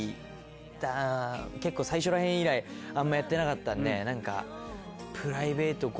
あぁ結構最初らへん以来あんまやってなかったんで何か。